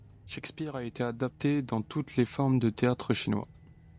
Shakespeare a été adapté dans toutes les formes de théâtre chinois.